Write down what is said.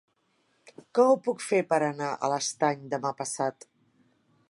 Com ho puc fer per anar a l'Estany demà passat?